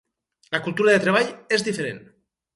La cultura de treball es diferent.